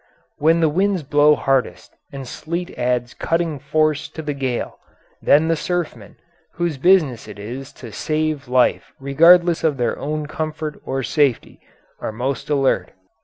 When the winds blow hardest and sleet adds cutting force to the gale, then the surfmen, whose business it is to save life regardless of their own comfort or safety, are most alert.